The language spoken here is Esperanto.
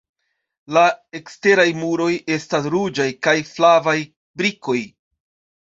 La eksteraj muroj estas ruĝaj kaj flavaj brikoj.